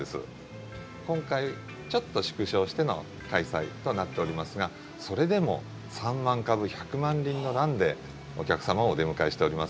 今回ちょっと縮小しての開催となっておりますがそれでも３万株１００万輪のランでお客様をお出迎えしております。